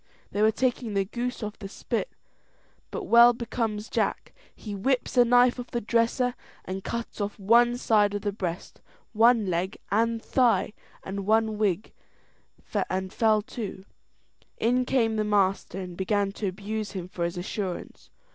They were taking the goose off the spit, but well becomes Jack he whips a knife off the dresser, and cuts off one side of the breast, one leg and thigh, and one wing, and fell to. In came the master, and began to abuse him for his assurance.